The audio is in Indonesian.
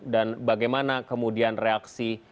dan bagaimana kemudian reaksi